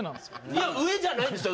いや上じゃないんですよ。